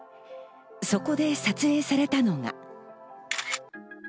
そこで撮影されたのが。